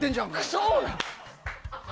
そうだ。